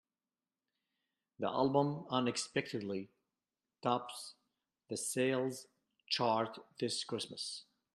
The album unexpectedly tops the sales chart this Christmas.